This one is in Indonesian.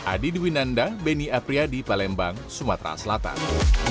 adi diwinanda beni apriadi palembang sumatera selatan